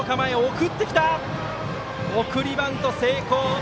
送りバント成功。